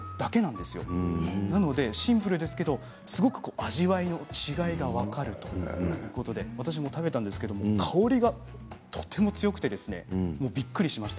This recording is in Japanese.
ですのでシンプルですけれどすごく味わいの違いが分かるということで私も食べましたけれど香りがとても強くてびっくりしました。